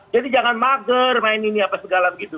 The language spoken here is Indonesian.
jadi jangan mager main ini apa segala begitu